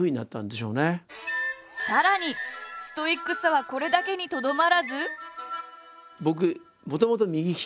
さらにストイックさはこれだけにとどまらず。